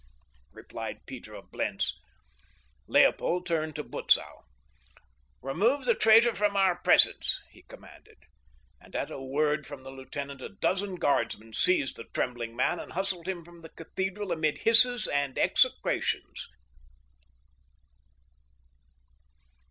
replied Peter of Blentz. Leopold turned to Butzow. "Remove the traitor from our presence," he commanded, and at a word from the lieutenant a dozen guardsmen seized the trembling man and hustled him from the cathedral amid hisses and execrations.